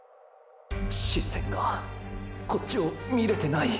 視線がこっちを見れてない。